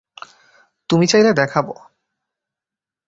তুমি চাইলে দেখাবো।